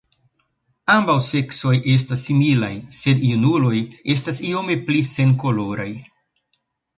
Ambaŭ seksoj estas similaj, sed junuloj estas iome pli senkoloraj.